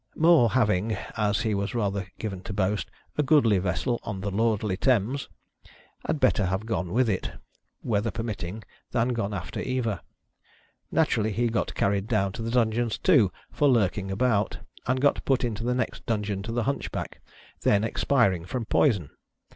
More having, as he was rather given to boast, " a goodly vessel on the lordly Thames," had better have gone with it, weather permitting, than gone after Eva. Naturally, he got carried down to the dungeons, too, for lurking about, and got put into the next dungeon to the Hunchback, then expiring from poison.